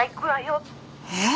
えっ？